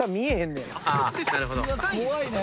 怖いね。